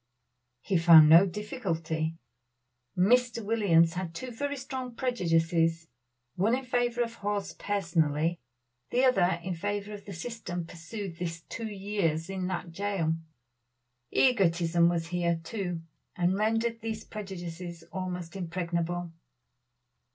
He found no difficulty. Mr. Williams had two very strong prejudices, one in favor of Hawes personally, the other in favor of the system pursued this two years in that jail. Egotism was here, too, and rendered these prejudices almost impregnable.